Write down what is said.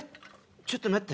ちょっと待って。